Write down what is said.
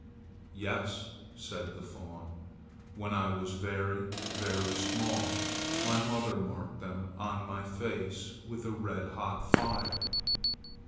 "Yes," said the fawn. "When I was very, very small, my mother marked them on my face with a red hot fire.